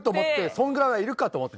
そのぐらいはいるかと思って。